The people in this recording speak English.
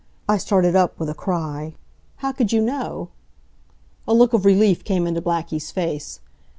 I started up with a cry. "How could you know?" A look of relief came into Blackie's face.